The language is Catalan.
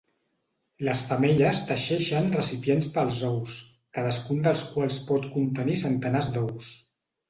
Les femelles teixeixen recipients pels ous, cadascun dels quals pot contenir centenars d'ous.